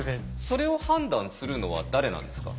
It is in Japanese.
それを判断するのは誰なんですか？